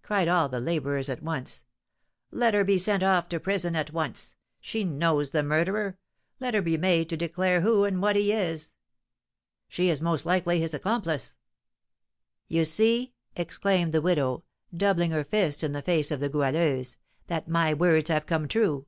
cried all the labourers at once; "let her be sent off to prison at once. She knows the murderer! Let her be made to declare who and what he is." "She is most likely his accomplice!" "You see," exclaimed the widow, doubling her fist in the face of the Goualeuse, "that my words have come true.